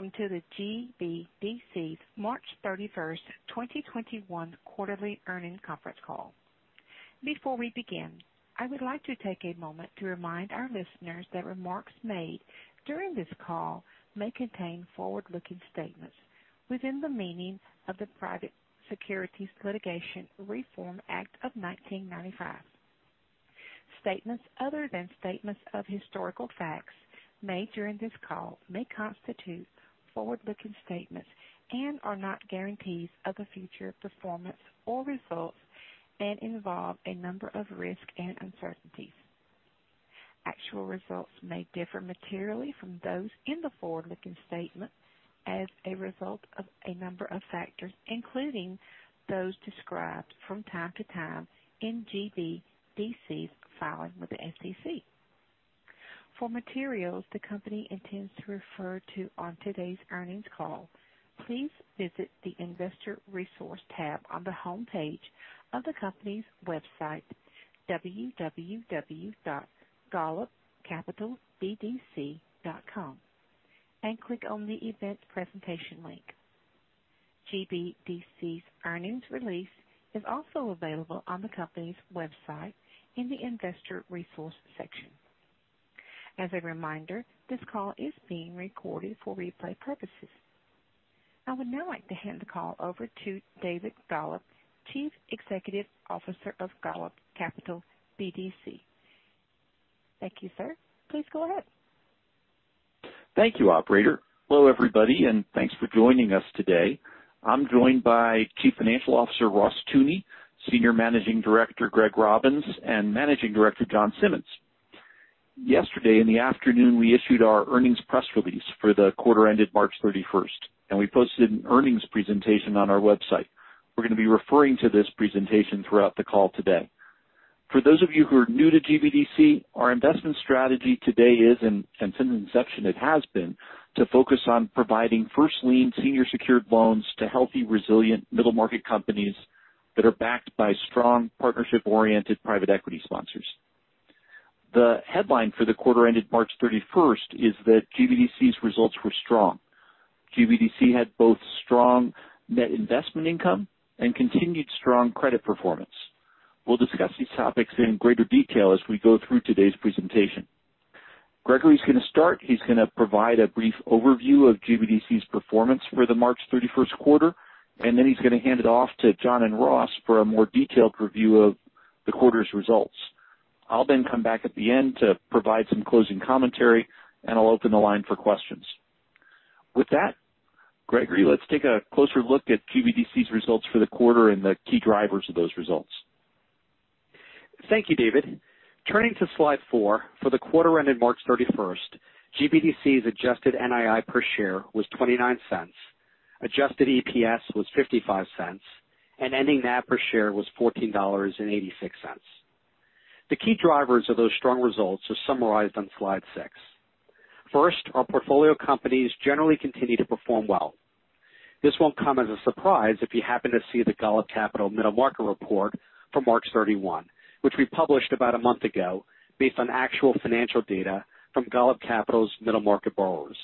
Welcome to the GBDC's March 31st, 2021 quarterly earnings conference call. Before we begin, I would like to take a moment to remind our listeners that remarks made during this call may contain forward-looking statements within the meaning of the Private Securities Litigation Reform Act of 1995. Statements other than statements of historical facts made during this call may constitute forward-looking statements and are not guarantees of a future performance or results, and involve a number of risks and uncertainties. Actual results may differ materially from those in the forward-looking statement as a result of a number of factors, including those described from time to time in GBDC's filing with the SEC. For materials the company intends to refer to on today's earnings call, please visit the investor resource tab on the homepage of the company's website, www.golubcapitalbdc.com, and click on the event presentation link. GBDC's earnings release is also available on the company's website in the investor resource section. As a reminder, this call is being recorded for replay purposes. I would now like to hand the call over to David Golub, Chief Executive Officer of Golub Capital BDC. Thank you, sir. Please go ahead. Thank you, operator. Hello, everybody, and thanks for joining us today. I'm joined by Chief Financial Officer Ross Teune, Senior Managing Director Greg Robbins, and Managing Director Jon Simmons. Yesterday in the afternoon, we issued our earnings press release for the quarter ended March 31st. We posted an earnings presentation on our website. We're going to be referring to this presentation throughout the call today. For those of you who are new to GBDC, our investment strategy today is, and since inception it has been, to focus on providing first lien senior secured loans to healthy, resilient middle market companies that are backed by strong partnership-oriented private equity sponsors. The headline for the quarter ended March 31st is that GBDC's results were strong. GBDC had both strong net investment income and continued strong credit performance. We'll discuss these topics in greater detail as we go through today's presentation. Gregory's going to start. He's going to provide a brief overview of GBDC's performance for the March 31st quarter, and then he's going to hand it off to Jon and Ross for a more detailed review of the quarter's results. I'll then come back at the end to provide some closing commentary, and I'll open the line for questions. With that, Gregory, let's take a closer look at GBDC's results for the quarter and the key drivers of those results. Thank you, David. Turning to slide four, for the quarter ended March 31st, GBDC's adjusted NII per share was $0.29, adjusted EPS was $0.55, and ending NAV per share was $14.86. The key drivers of those strong results are summarized on slide six. First, our portfolio companies generally continue to perform well. This won't come as a surprise if you happen to see the Golub Capital Middle Market Report for March 31, which we published about a month ago based on actual financial data from Golub Capital's middle market borrowers.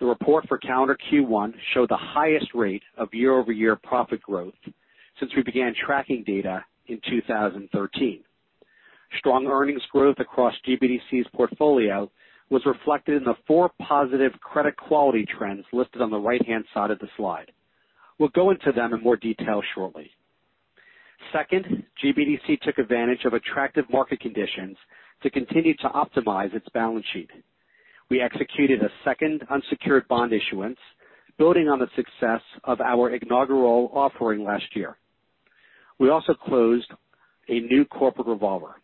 The report for calendar Q1 showed the highest rate of year-over-year profit growth since we began tracking data in 2013. Strong earnings growth across GBDC's portfolio was reflected in the four positive credit quality trends listed on the right-hand side of the slide. We'll go into them in more detail shortly. Second, GBDC took advantage of attractive market conditions to continue to optimize its balance sheet. We executed a second unsecured bond issuance, building on the success of our inaugural offering last year. We also closed a new corporate revolver.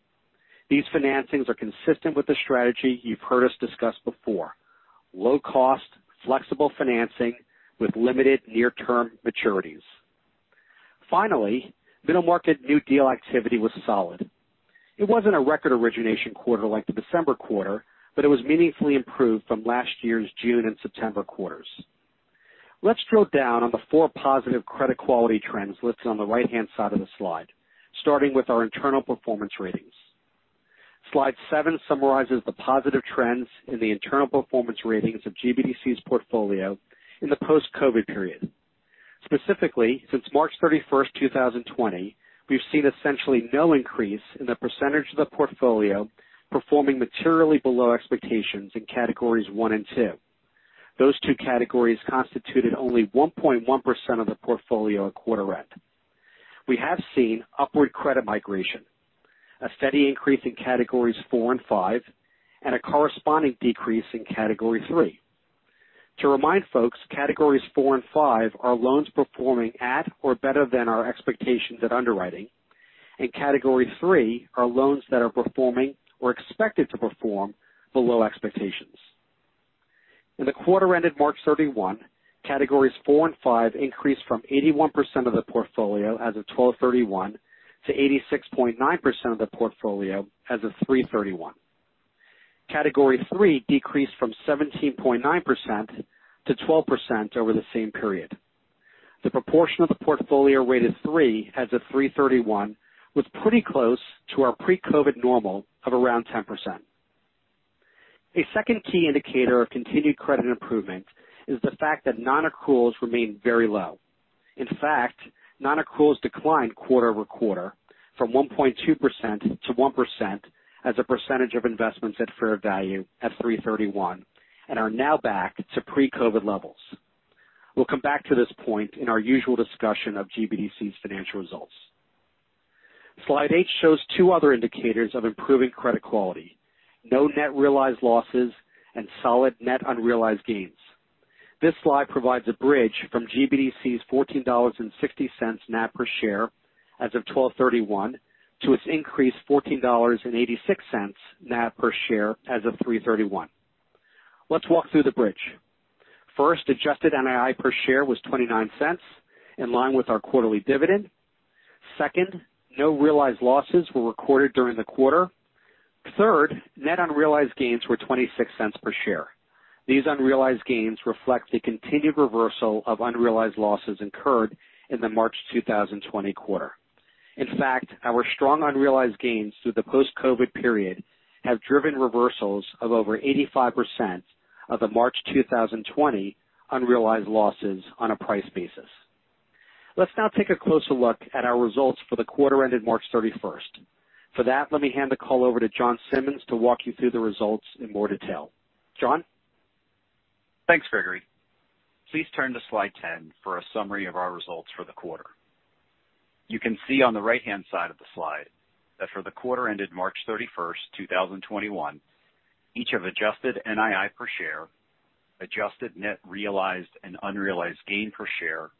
These financings are consistent with the strategy you've heard us discuss before. Low cost, flexible financing with limited near-term maturities. Middle market new deal activity was solid. It wasn't a record origination quarter like the December quarter, but it was meaningfully improved from last year's June and September quarters. Let's drill down on the four positive credit quality trends listed on the right-hand side of the slide, starting with our internal performance ratings. Slide seven summarizes the positive trends in the internal performance ratings of GBDC's portfolio in the post-COVID period. Specifically, since March 31, 2020, we've seen essentially no increase in the percentage of the portfolio performing materially below expectations in categories 1 and 2. Those two categories constituted only 1.1% of the portfolio at quarter end. We have seen upward credit migration, a steady increase in categories 4 and 5, and a corresponding decrease in category 3. To remind folks, categories 4 and 5 are loans performing at or better than our expectations at underwriting, and category 3 are loans that are performing or expected to perform below expectations. In the quarter ended March 31, categories 4 and 5 increased from 81% of the portfolio as of 12/31 to 86.9% of the portfolio as of 3/31. Category 3 decreased from 17.9% to 12% over the same period. The proportion of the portfolio rated 3 as of 3/31 was pretty close to our pre-COVID normal of around 10%. A second key indicator of continued credit improvement is the fact that non-accruals remain very low. In fact, non-accruals declined quarter-over-quarter from 1.2% to 1% as a percentage of investments at fair value at 3/31 and are now back to pre-COVID levels. We'll come back to this point in our usual discussion of GBDC's financial results. Slide eight shows two other indicators of improving credit quality, no net realized losses and solid net unrealized gains. This slide provides a bridge from GBDC's $14.60 NAV per share as of 12/31 to its increased $14.86 NAV per share as of 3/31. Let's walk through the bridge. First, adjusted NII per share was $0.29, in line with our quarterly dividend. Second, no realized losses were recorded during the quarter. Third, net unrealized gains were $0.26 per share. These unrealized gains reflect the continued reversal of unrealized losses incurred in the March 2020 quarter. In fact, our strong unrealized gains through the post-COVID period have driven reversals of over 85% of the March 2020 unrealized losses on a price basis. Let's now take a closer look at our results for the quarter ended March 31st. For that, let me hand the call over to Jon Simmons to walk you through the results in more detail. Jon? Thanks, Gregory. Please turn to slide 10 for a summary of our results for the quarter. You can see on the right-hand side of the slide that for the quarter ended March 31st, 2021, each of adjusted NII per share, adjusted net realized and unrealized gain per share,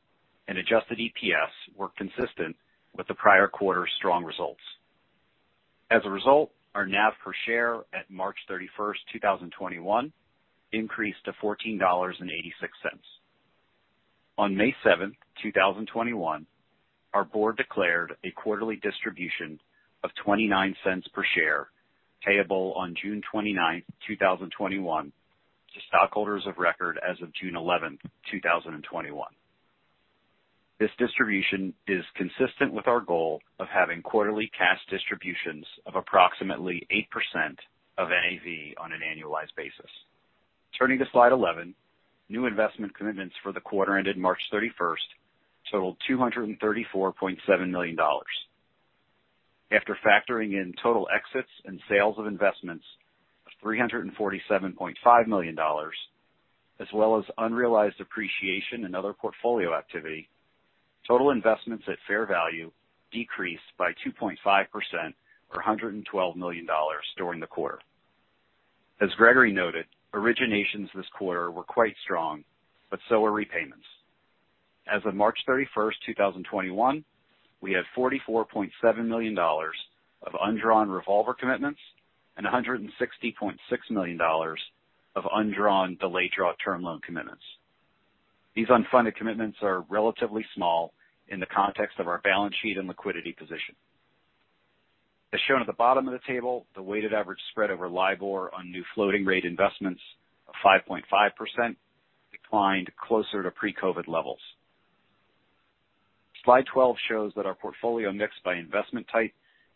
and adjusted EPS were consistent with the prior quarter's strong results. As a result, our NAV per share at March 31st, 2021 increased to $14.86. On May 7th, 2021, our board declared a quarterly distribution of $0.29 per share payable on June 29th, 2021 to stockholders of record as of June 11th, 2021. This distribution is consistent with our goal of having quarterly cash distributions of approximately 8% of NAV on an annualized basis. Turning to slide 11, new investment commitments for the quarter ended March 31st totaled $234.7 million. After factoring in total exits and sales of investments of $347.5 million, as well as unrealized appreciation and other portfolio activity, total investments at fair value decreased by 2.5% or $112 million during the quarter. As Gregory noted, originations this quarter were quite strong, but so were repayments. As of March 31st, 2021, we had $44.7 million of undrawn revolver commitments and $160.6 million of undrawn delayed draw term loan commitments. These unfunded commitments are relatively small in the context of our balance sheet and liquidity position. As shown at the bottom of the table, the weighted average spread over LIBOR on new floating rate investments of 5.5% declined closer to pre-COVID levels. Slide 12 shows that our portfolio mix by investment type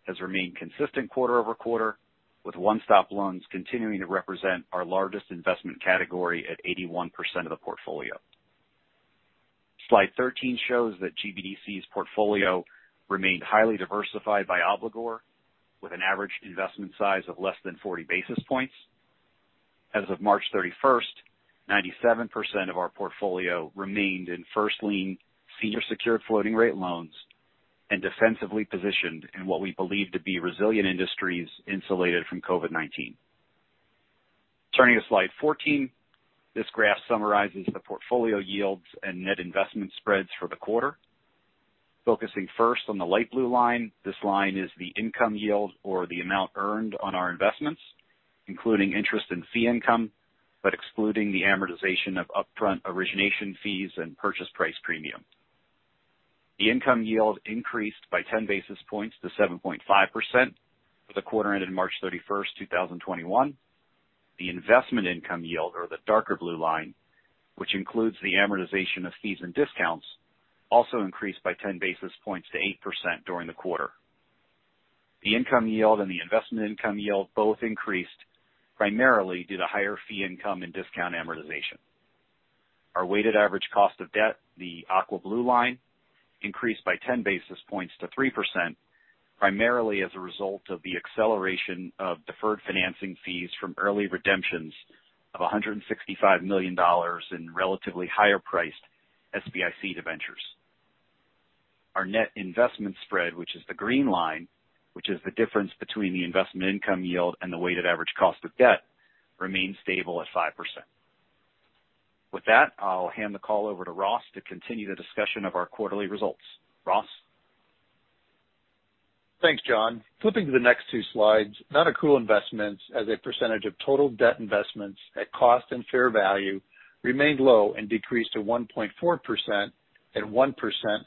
has remained consistent quarter-over-quarter, with One-Stop loans continuing to represent our largest investment category at 81% of the portfolio. Slide 13 shows that GBDC's portfolio remained highly diversified by obligor with an average investment size of less than 40 basis points. As of March 31, 97% of our portfolio remained in first lien senior secured floating rate loans and defensively positioned in what we believe to be resilient industries insulated from COVID-19. Turning to slide 14, this graph summarizes the portfolio yields and net investment spreads for the quarter. Focusing first on the light blue line, this line is the income yield or the amount earned on our investments, including interest and fee income, but excluding the amortization of upfront origination fees and purchase price premium. The income yield increased by 10 basis points to 7.5% for the quarter ended March 31, 2021. The investment income yield or the darker blue line, which includes the amortization of fees and discounts, also increased by 10 basis points to 8% during the quarter. The income yield and the investment income yield both increased primarily due to higher fee income and discount amortization. Our weighted average cost of debt, the aqua blue line, increased by 10 basis points to 3%, primarily as a result of the acceleration of deferred financing fees from early redemptions of $165 million in relatively higher priced SBIC debentures. Our net investment spread, which is the green line, which is the difference between the investment income yield and the weighted average cost of debt, remains stable at 5%. With that, I'll hand the call over to Ross to continue the discussion of our quarterly results. Ross? Thanks, Jon. Flipping to the next two slides. Non-accrual investments as a percentage of total debt investments at cost and fair value remained low and decreased to 1.4% and 1%,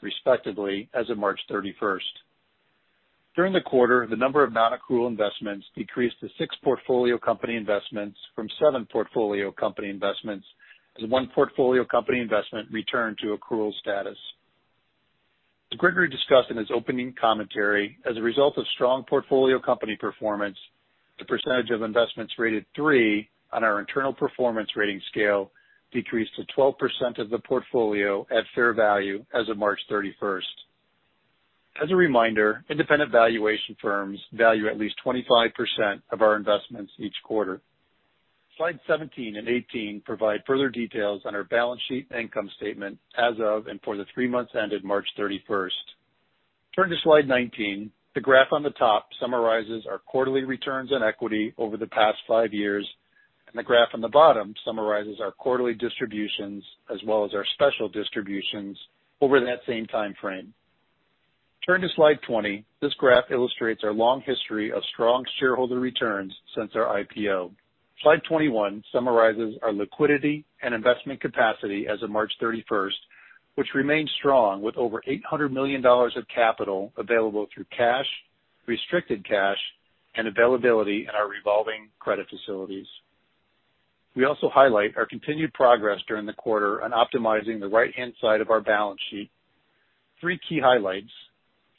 respectively, as of March 31st. During the quarter, the number of non-accrual investments decreased to six portfolio company investments from seven portfolio company investments, as one portfolio company investment returned to accrual status. As Gregory discussed in his opening commentary, as a result of strong portfolio company performance, the percentage of investments rated 3 on our internal performance rating scale decreased to 12% of the portfolio at fair value as of March 31st. As a reminder, independent valuation firms value at least 25% of our investments each quarter. Slide 17 and 18 provide further details on our balance sheet income statement as of and for the three months ended March 31st. Turn to slide 19. The graph on the top summarizes our quarterly returns on equity over the past five years, and the graph on the bottom summarizes our quarterly distributions as well as our special distributions over that same time frame. Turn to slide 20. This graph illustrates our long history of strong shareholder returns since our IPO. Slide 21 summarizes our liquidity and investment capacity as of March 31st, which remains strong with over $800 million of capital available through cash, restricted cash, and availability in our revolving credit facilities. We also highlight our continued progress during the quarter on optimizing the right-hand side of our balance sheet. Three key highlights.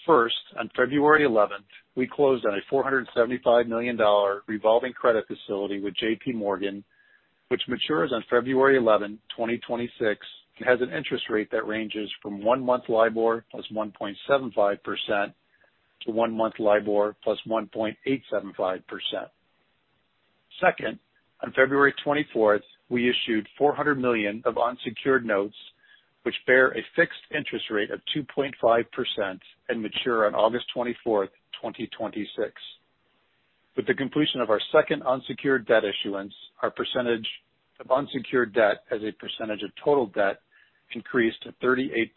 First, on February 11th, we closed on a $475 million revolving credit facility with JPMorgan, which matures on February 11, 2026, and has an interest rate that ranges from one-month LIBOR +1.75% to one-month LIBOR +1.875%. Second, on February 24th, we issued $400 million of unsecured notes, which bear a fixed interest rate of 2.5% and mature on August 24th, 2026. With the completion of our second unsecured debt issuance, our percentage of unsecured debt as a percentage of total debt increased to 38%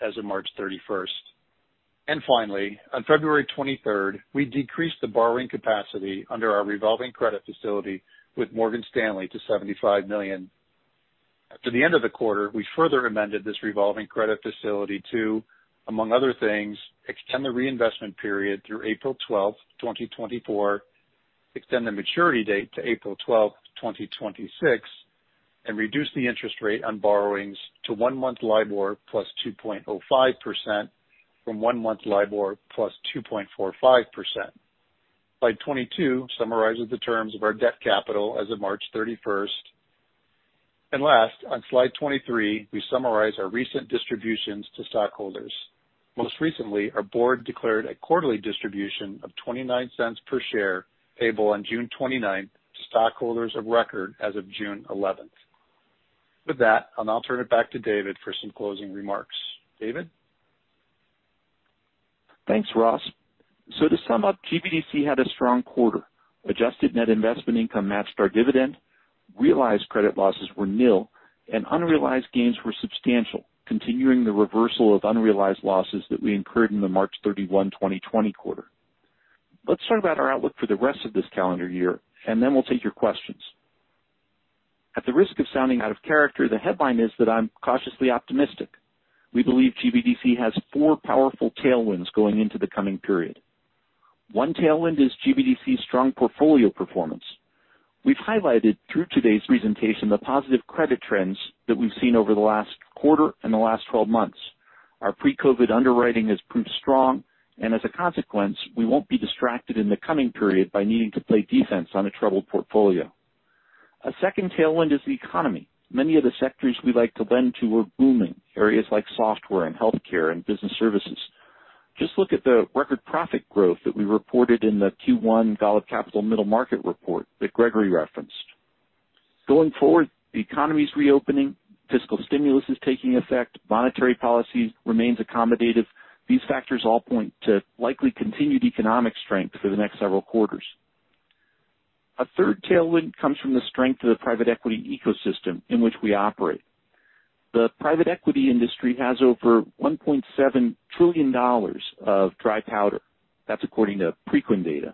as of March 31st. Finally, on February 23rd, we decreased the borrowing capacity under our revolving credit facility with Morgan Stanley to $75 million. After the end of the quarter, we further amended this revolving credit facility to, among other things, extend the reinvestment period through April 12th, 2024, extend the maturity date to April 12th, 2026, and reduce the interest rate on borrowings to one-month LIBOR +2.05% from one-month LIBOR +2.45%. Slide 22 summarizes the terms of our debt capital as of March 31st. Last, on slide 23, we summarize our recent distributions to stockholders. Most recently, our board declared a quarterly distribution of $0.29 per share payable on June 29th to stockholders of record as of June 11th. With that, I'll now turn it back to David for some closing remarks. David? Thanks, Ross. To sum up, GBDC had a strong quarter. Adjusted net investment income matched our dividend, realized credit losses were nil, and unrealized gains were substantial, continuing the reversal of unrealized losses that we incurred in the March 31, 2020 quarter. Let's talk about our outlook for the rest of this calendar year, and then we'll take your questions. At the risk of sounding out of character, the headline is that I'm cautiously optimistic. We believe GBDC has four powerful tailwinds going into the coming period. One tailwind is GBDC's strong portfolio performance. We've highlighted through today's presentation the positive credit trends that we've seen over the last quarter and the last 12 months. Our pre-COVID underwriting has proved strong, and as a consequence, we won't be distracted in the coming period by needing to play defense on a troubled portfolio. A second tailwind is the economy. Many of the sectors we like to lend to are booming. Areas like software and healthcare and business services. Just look at the record profit growth that we reported in the Q1 Golub Capital Middle Market Report that Gregory referenced. Going forward, the economy's reopening, fiscal stimulus is taking effect, monetary policy remains accommodative. These factors all point to likely continued economic strength for the next several quarters. A third tailwind comes from the strength of the private equity ecosystem in which we operate. The private equity industry has over $1.7 trillion of dry powder. That's according to Preqin data.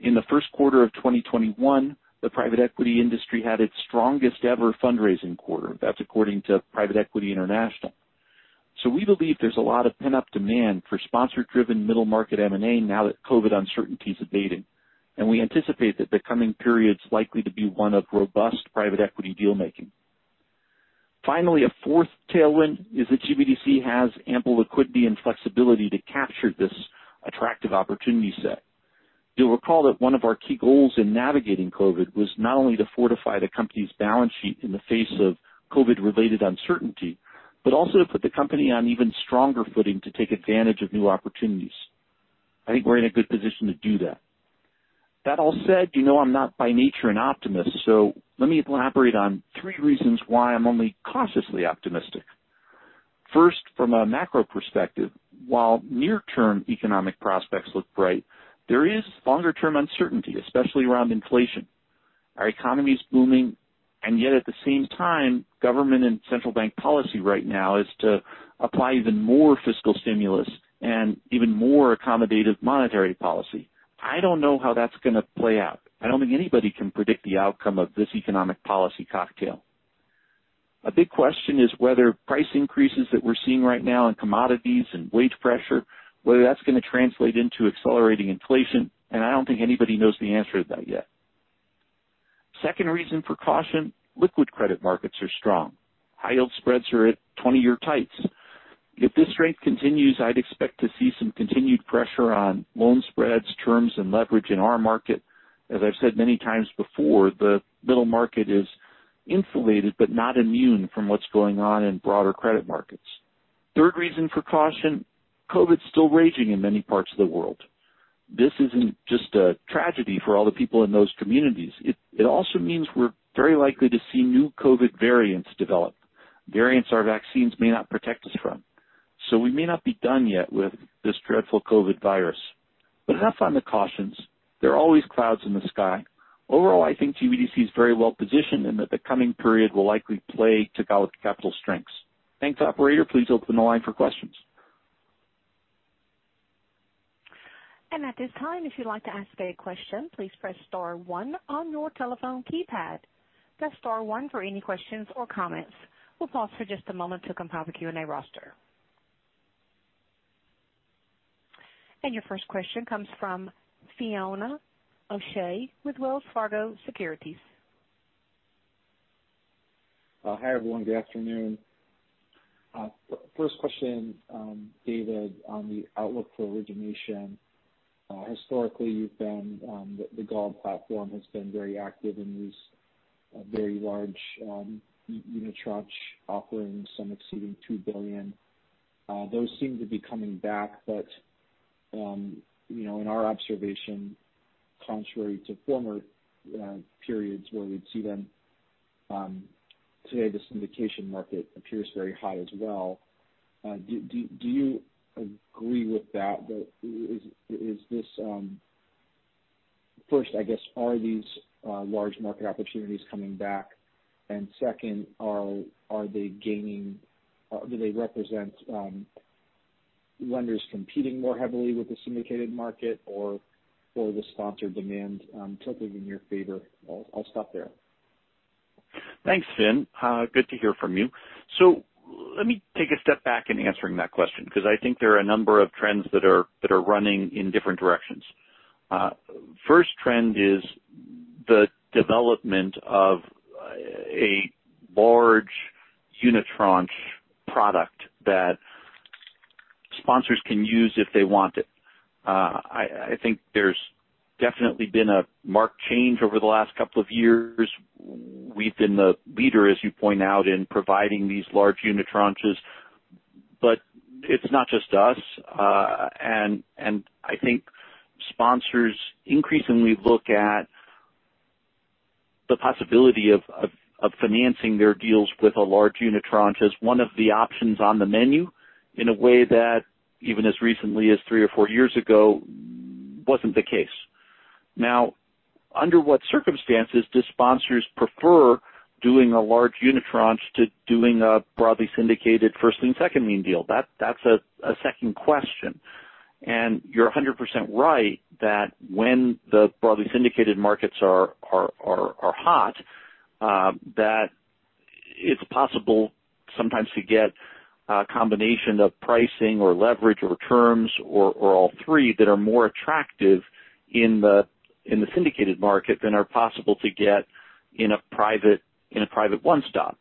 In the first quarter of 2021, the private equity industry had its strongest ever fundraising quarter. That's according to Private Equity International. We believe there's a lot of pent-up demand for sponsor-driven middle market M&A now that COVID uncertainties are fading. We anticipate that the coming period's likely to be one of robust private equity deal-making. Finally, a fourth tailwind is that GBDC has ample liquidity and flexibility to capture this attractive opportunity set. You'll recall that one of our key goals in navigating COVID was not only to fortify the company's balance sheet in the face of COVID-related uncertainty, but also to put the company on even stronger footing to take advantage of new opportunities. I think we're in a good position to do that. That all said, you know I'm not by nature an optimist, let me elaborate on three reasons why I'm only cautiously optimistic. First, from a macro perspective, while near-term economic prospects look bright, there is longer-term uncertainty, especially around inflation. Our economy's booming, and yet at the same time, government and central bank policy right now is to apply even more fiscal stimulus and even more accommodative monetary policy. I don't know how that's going to play out. I don't think anybody can predict the outcome of this economic policy cocktail. A big question is whether price increases that we're seeing right now in commodities and wage pressure, whether that's going to translate into accelerating inflation. I don't think anybody knows the answer to that yet. Second reason for caution, liquid credit markets are strong. High yield spreads are at 20-year tights. If this rate continues, I'd expect to see some continued pressure on loan spreads, terms, and leverage in our market. As I've said many times before, the middle market is insulated, but not immune from what's going on in broader credit markets. Third reason for caution, COVID's still raging in many parts of the world. This isn't just a tragedy for all the people in those communities. It also means we're very likely to see new COVID variants develop, variants our vaccines may not protect us from. We may not be done yet with this dreadful COVID virus. Enough on the cautions. There are always clouds in the sky. Overall, I think GBDC is very well-positioned, and that the coming period will likely play to Golub Capital's strengths. Thanks, operator. Please open the line for questions. At this time, if you'd like to ask a question, please press star one on your telephone keypad. Press star one for any questions or comments. We'll pause for just a moment to compile the Q&A roster. Your first question comes from Finian O'Shea with Wells Fargo Securities. Hi, everyone. Good afternoon. First question, David, on the outlook for origination. Historically, the Golub platform has been very active in these very large unitranche offerings, some exceeding $2 billion. Those seem to be coming back, but in our observation, contrary to former periods where we'd see them, today the syndication market appears very high as well. Do you agree with that? First, I guess, are these large market opportunities coming back? Second, do they represent lenders competing more heavily with the syndicated market or the sponsor demand tilting in your favor? I'll stop there. Thanks, Finn. Good to hear from you. Let me take a step back in answering that question, because I think there are a number of trends that are running in different directions. First trend is the development of a large unitranche product that sponsors can use if they want it. I think there's definitely been a marked change over the last couple of years. We've been the leader, as you point out, in providing these large unitranches. It's not just us. I think sponsors increasingly look at the possibility of financing their deals with a large unitranche as one of the options on the menu in a way that, even as recently as three or four years ago, wasn't the case. Now, under what circumstances do sponsors prefer doing a large unitranche to doing a broadly syndicated first lien, second lien deal? That's a second question. You're 100% right that when the broadly syndicated markets are hot, that it's possible sometimes to get a combination of pricing or leverage or terms or all three that are more attractive in the syndicated market than are possible to get in a private One-Stop.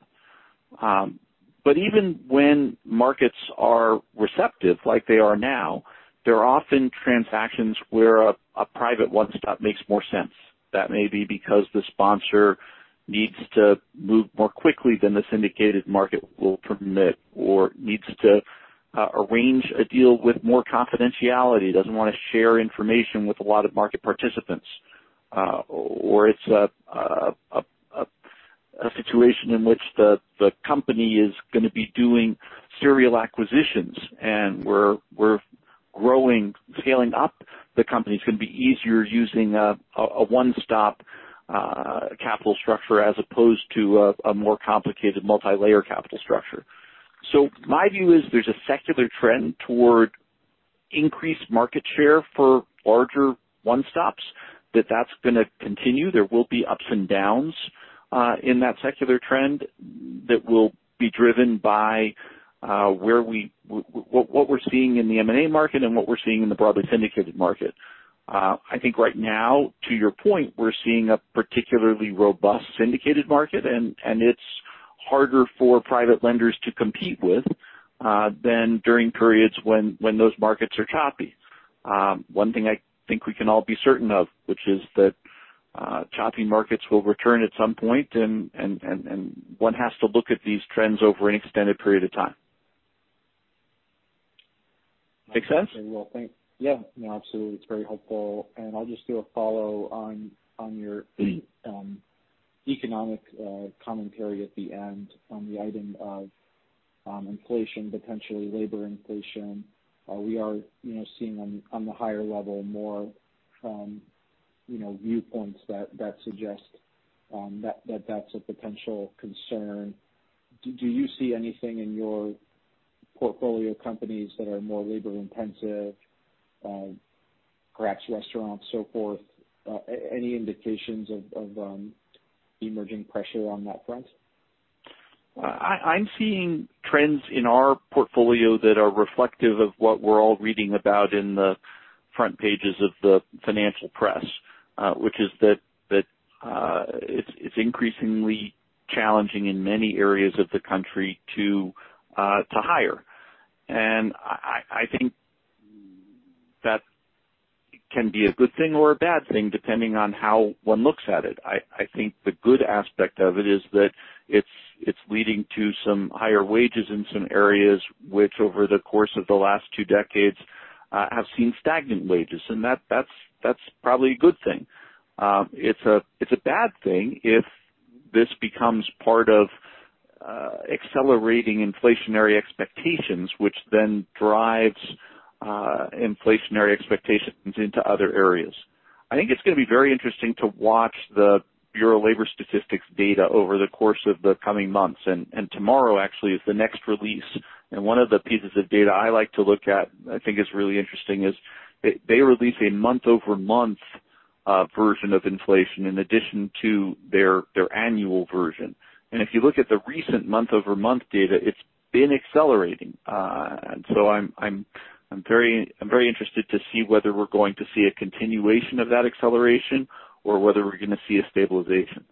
Even when markets are receptive like they are now, there are often transactions where a private One-Stop makes more sense. That may be because the sponsor needs to move more quickly than the syndicated market will permit or needs to arrange a deal with more confidentiality, doesn't want to share information with a lot of market participants. It's a situation in which the company is going to be doing serial acquisitions and we're scaling up the company. It's going to be easier using a One-Stop capital structure as opposed to a more complicated multilayer capital structure. My view is there's a secular trend toward increased market share for larger One-Stops. That's going to continue. There will be ups and downs in that secular trend that will be driven by what we're seeing in the M&A market and what we're seeing in the broadly syndicated market. I think right now, to your point, we're seeing a particularly robust syndicated market, and it's harder for private lenders to compete with than during periods when those markets are choppy. One thing I think we can all be certain of, which is that choppy markets will return at some point, and one has to look at these trends over an extended period of time. Make sense? Yeah. No, absolutely. It's very helpful. I'll just do a follow on your economic commentary at the end on the item of inflation, potentially labor inflation. We are seeing on the higher level more viewpoints that suggest that that's a potential concern. Do you see anything in your Portfolio companies that are more labor-intensive, perhaps restaurants, so forth, any indications of emerging pressure on that front? I'm seeing trends in our portfolio that are reflective of what we're all reading about in the front pages of the financial press, which is that it's increasingly challenging in many areas of the country to hire. I think that can be a good thing or a bad thing, depending on how one looks at it. I think the good aspect of it is that it's leading to some higher wages in some areas which, over the course of the last two decades, have seen stagnant wages. That's probably a good thing. It's a bad thing if this becomes part of accelerating inflationary expectations, which then drives inflationary expectations into other areas. I think it's going to be very interesting to watch the Bureau of Labor Statistics data over the course of the coming months. Tomorrow actually is the next release. One of the pieces of data I like to look at, I think is really interesting, is they release a month-over-month version of inflation in addition to their annual version. If you look at the recent month-over-month data, it's been accelerating. I'm very interested to see whether we're going to see a continuation of that acceleration or whether we're going to see a stabilization.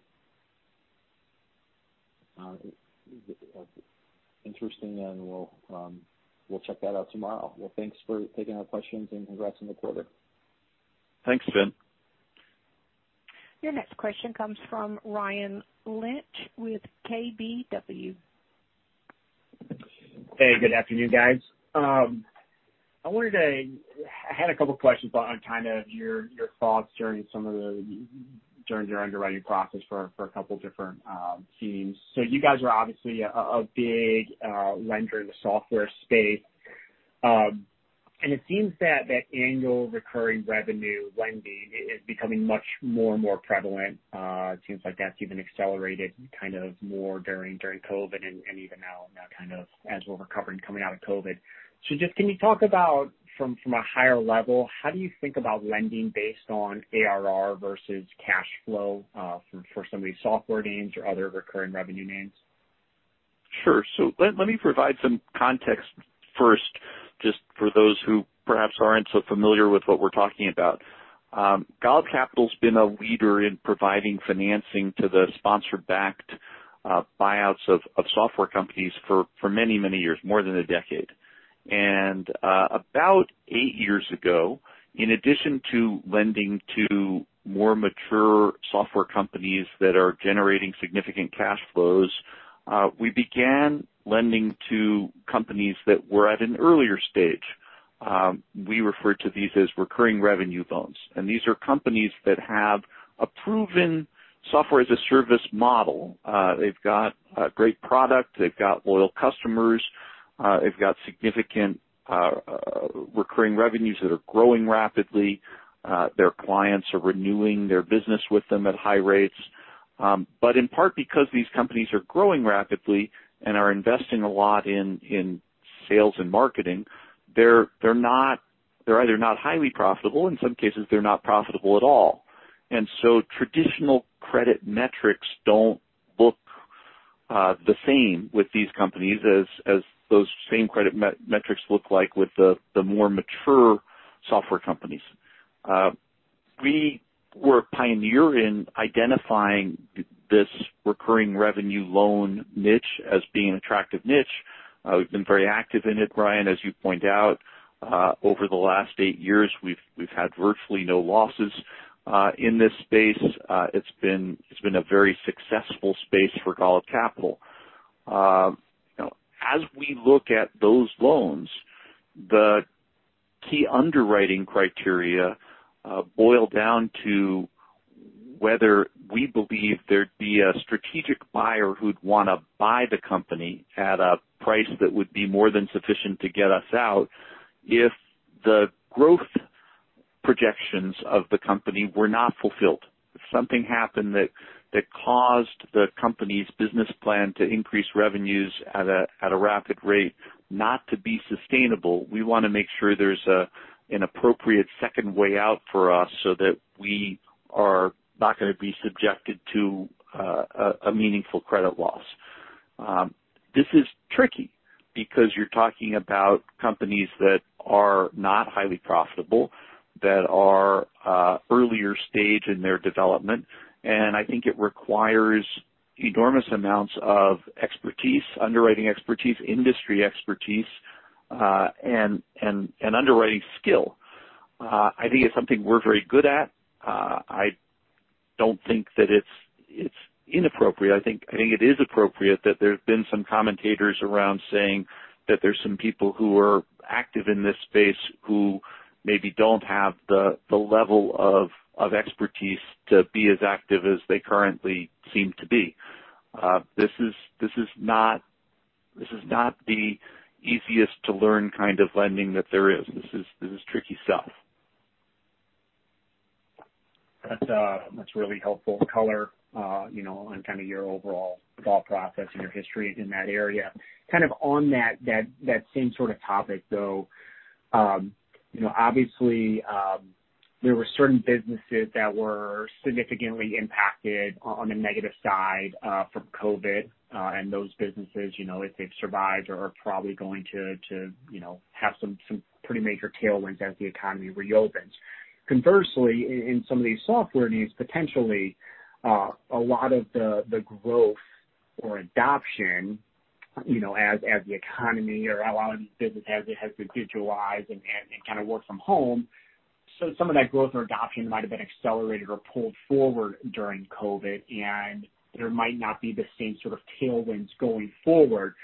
Interesting. We'll check that out tomorrow. Well, thanks for taking our questions and congrats on the quarter. Thanks, Finn. Your next question comes from Ryan Lynch with KBW. Hey, good afternoon, guys. I had a couple questions on kind of your thoughts during your underwriting process for a couple different themes. You guys are obviously a big lender in the software space. It seems that annual recurring revenue lending is becoming much more and more prevalent. It seems like that's even accelerated kind of more during COVID and even now, kind of as we're recovering coming out of COVID. Just can you talk about, from a higher level, how do you think about lending based on ARR versus cash flow for some of these software names or other recurring revenue names? Sure. Let me provide some context first, just for those who perhaps aren't so familiar with what we're talking about. Golub Capital's been a leader in providing financing to the sponsor-backed buyouts of software companies for many, many years, more than a decade. About eight years ago, in addition to lending to more mature software companies that are generating significant cash flows, we began lending to companies that were at an earlier stage. We refer to these as recurring revenue loans. These are companies that have a proven software as a service model. They've got a great product. They've got loyal customers. They've got significant recurring revenues that are growing rapidly. Their clients are renewing their business with them at high rates. In part because these companies are growing rapidly and are investing a lot in sales and marketing, they're either not highly profitable. In some cases, they're not profitable at all. Traditional credit metrics don't look the same with these companies as those same credit metrics look like with the more mature software companies. We were a pioneer in identifying this recurring revenue loan niche as being an attractive niche. We've been very active in it, Ryan, as you point out. Over the last eight years, we've had virtually no losses in this space. It's been a very successful space for Golub Capital. As we look at those loans, the key underwriting criteria boil down to whether we believe there'd be a strategic buyer who'd want to buy the company at a price that would be more than sufficient to get us out if the growth projections of the company were not fulfilled. If something happened that caused the company's business plan to increase revenues at a rapid rate not to be sustainable, we want to make sure there's an appropriate second way out for us so that we are not going to be subjected to a meaningful credit loss. This is tricky because you're talking about companies that are not highly profitable, that are earlier stage in their development, and I think it requires enormous amounts of expertise, underwriting expertise, industry expertise, and underwriting skill. I think it's something we're very good at. I don't think that it's inappropriate. I think it is appropriate that there's been some commentators around saying that there's some people who are active in this space who maybe don't have the level of expertise to be as active as they currently seem to be. This is not the easiest-to-learn kind of lending that there is. This is tricky stuff. That's really helpful color on your overall thought process and your history in that area. Kind of on that same sort of topic, though, obviously, there were certain businesses that were significantly impacted on a negative side from COVID. Those businesses, if they've survived, are probably going to have some pretty major tailwinds as the economy reopens. Conversely, in some of these software names, potentially a lot of the growth or adoption, as the economy or a lot of these businesses have to digitalize and kind of work from home. Some of that growth or adoption might have been accelerated or pulled forward during COVID, and there might not be the same sort of tailwinds going forward.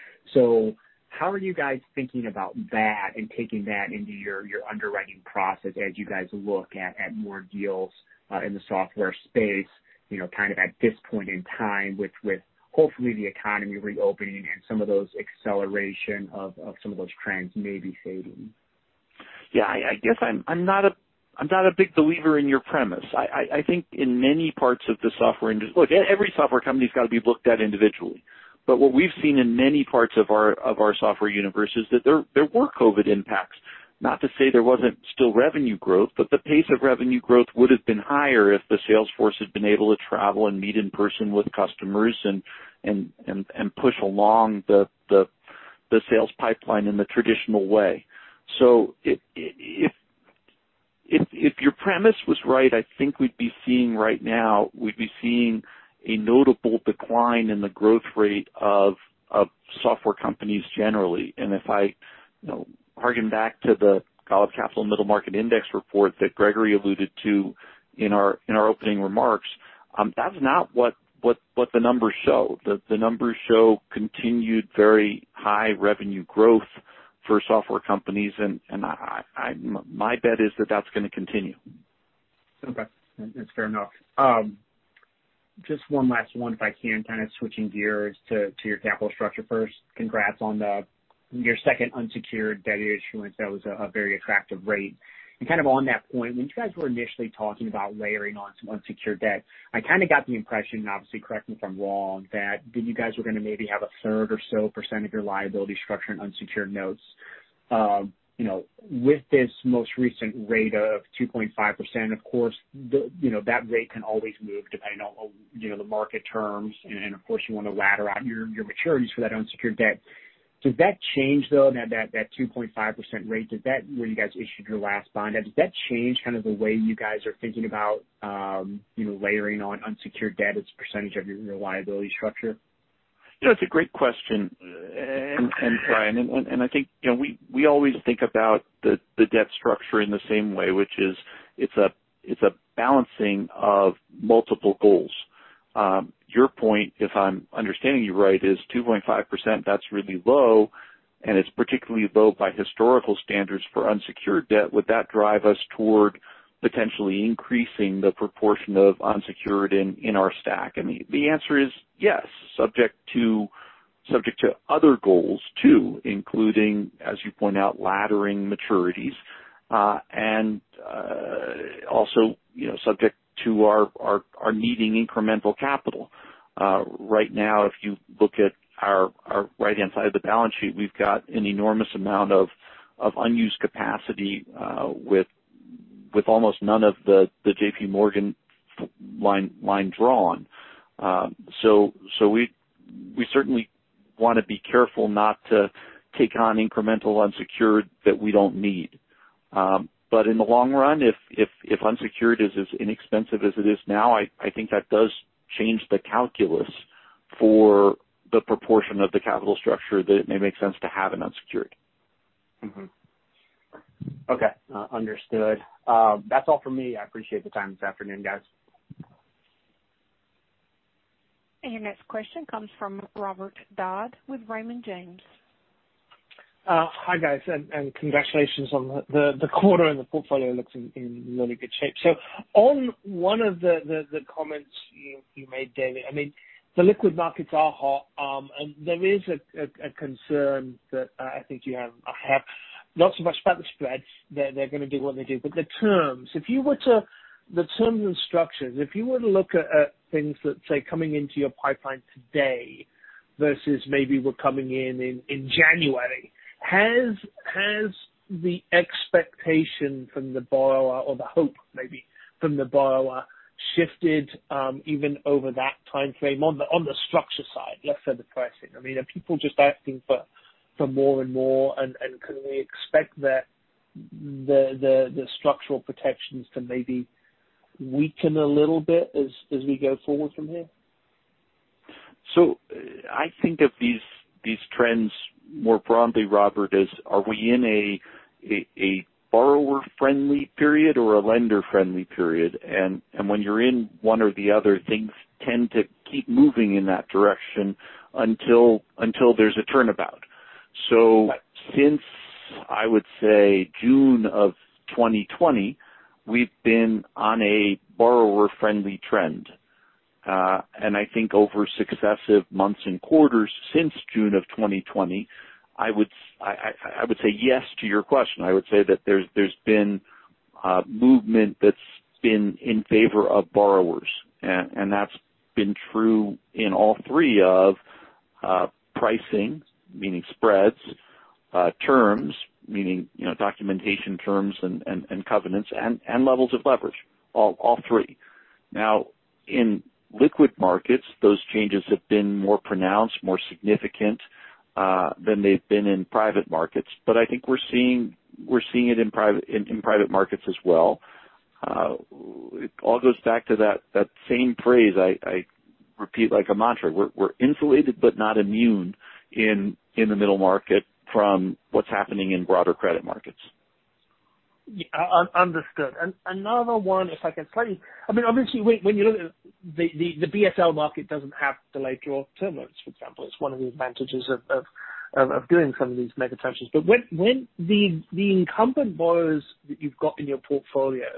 How are you guys thinking about that and taking that into your underwriting process as you guys look at more deals in the software space, kind of at this point in time with, hopefully, the economy reopening and some of those acceleration of some of those trends may be fading? Yeah. I guess I'm not a big believer in your premise. I think in many parts of the software industry-- Look, every software company's got to be looked at individually. What we've seen in many parts of our software universe is that there were COVID impacts. Not to say there wasn't still revenue growth, but the pace of revenue growth would have been higher if the sales force had been able to travel and meet in person with customers and push along the sales pipeline in the traditional way. If your premise was right, I think we'd be seeing right now a notable decline in the growth rate of software companies generally. If I harken back to the Golub Capital Middle Market Index report that Gregory alluded to in our opening remarks, that's not what the numbers show. The numbers show continued very high revenue growth for software companies, and my bet is that that's going to continue. Okay. That's fair enough. Just one last one if I can. Kind of switching gears to your capital structure first. Congrats on your second unsecured debt issuance. That was a very attractive rate. Kind of on that point, when you guys were initially talking about layering on some unsecured debt, I kind of got the impression, obviously, correct me if I'm wrong, that you guys were going to maybe have a thirty or so percent of your liability structure in unsecured notes. With this most recent rate of 2.5%, of course, that rate can always move depending on the market terms. Of course, you want to ladder out your maturities for that unsecured debt. Does that change, though, that 2.5% rate when you guys issued your last bond? Does that change kind of the way you guys are thinking about layering on unsecured debt as a percentage of your liability structure? That's a great question. Ryan, I think we always think about the debt structure in the same way, which is it's a balancing of multiple goals. Your point, if I'm understanding you right, is 2.5%, that's really low, it's particularly low by historical standards for unsecured debt. Would that drive us toward potentially increasing the proportion of unsecured in our stack? I mean, the answer is yes, subject to other goals too, including, as you point out, laddering maturities. Also subject to our needing incremental capital. Right now, if you look at our right-hand side of the balance sheet, we've got an enormous amount of unused capacity with almost none of the JPMorgan line drawn. We certainly want to be careful not to take on incremental unsecured that we don't need. In the long run, if unsecured is as inexpensive as it is now, I think that does change the calculus for the proportion of the capital structure that it may make sense to have an unsecured. Okay. Understood. That's all for me. I appreciate the time this afternoon, guys. Your next question comes from Robert Dodd with Raymond James. Hi, guys, and congratulations on the quarter, and the portfolio looks in really good shape. On one of the comments you made, David, I mean, the liquid markets are hot. There is a concern that I think you have, I have. Not so much about the spreads. They're going to do what they do. The terms. The terms and structures. If you were to look at things that say, coming into your pipeline today versus maybe were coming in in January, has the expectation from the borrower or the hope maybe from the borrower shifted even over that timeframe on the structure side, less so the pricing? I mean, are people just asking for more and more, and can we expect the structural protections to maybe weaken a little bit as we go forward from here? I think of these trends more broadly, Robert, as are we in a borrower-friendly period or a lender-friendly period? When you're in one or the other, things tend to keep moving in that direction until there's a turnabout. Since, I would say June of 2020, we've been on a borrower-friendly trend. I think over successive months and quarters since June of 2020, I would say yes to your question. I would say that there's been movement that's been in favor of borrowers. That's been true in all three of pricing, meaning spreads, terms, meaning documentation terms and covenants, and levels of leverage. All three. In liquid markets, those changes have been more pronounced, more significant than they've been in private markets. I think we're seeing it in private markets as well. It all goes back to that same phrase I repeat like a mantra. We're insulated but not immune in the middle market from what's happening in broader credit markets. Yeah. Understood. Another one, if I can cut you. Obviously, when you look at the BSL market doesn't have delayed draw term loans, for example. It's one of the advantages of doing some of these mega transactions. When the incumbent borrowers that you've got in your portfolios,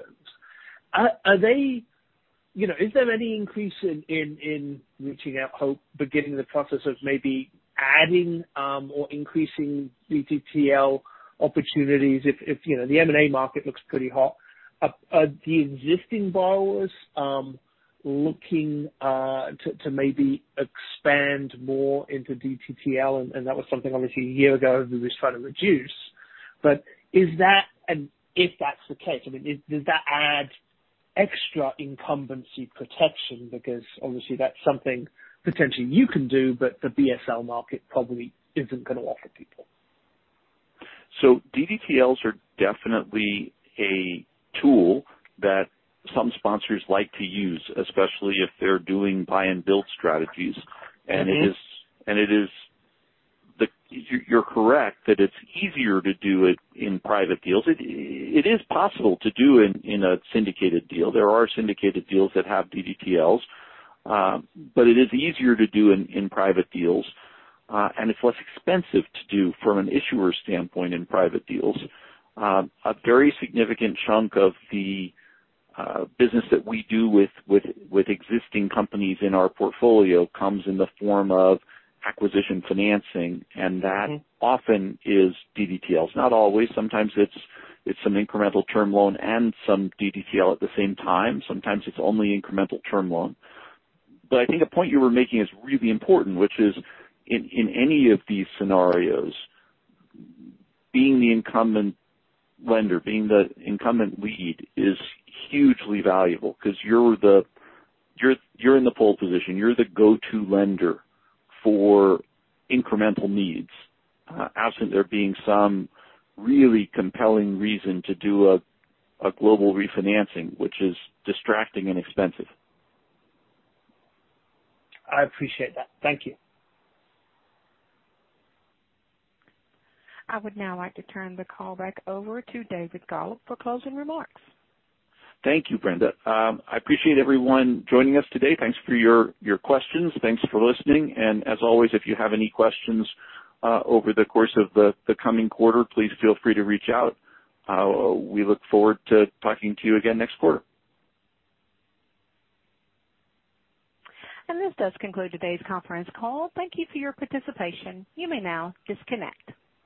is there any increase in reaching out, beginning the process of maybe adding or increasing DDTL opportunities if the M&A market looks pretty hot? Are the existing borrowers looking to maybe expand more into DDTL? That was something, obviously, a year ago we were trying to reduce. If that's the case, does that add extra incumbency protection? Because obviously that's something potentially you can do, but the BSL market probably isn't going to offer people. DDTLs are definitely a tool that some sponsors like to use, especially if they're doing buy and build strategies. You're correct that it's easier to do it in private deals. It is possible to do it in a syndicated deal. There are syndicated deals that have DDTLs. It is easier to do in private deals. It's less expensive to do from an issuer standpoint in private deals. A very significant chunk of the business that we do with existing companies in our portfolio comes in the form of acquisition financing and that, often is DDTLs. Not always. Sometimes it's some incremental term loan and some DDTL at the same time. Sometimes it's only incremental term loan. I think a point you were making is really important, which is in any of these scenarios, being the incumbent lender, being the incumbent lead is hugely valuable because you're in the pole position. You're the go-to lender for incremental needs. Absent there being some really compelling reason to do a global refinancing, which is distracting and expensive. I appreciate that. Thank you. I would now like to turn the call back over to David Golub for closing remarks. Thank you, Brenda. I appreciate everyone joining us today. Thanks for your questions. Thanks for listening. As always, if you have any questions over the course of the coming quarter, please feel free to reach out. We look forward to talking to you again next quarter. This does conclude today's conference call. Thank you for your participation. You may now disconnect.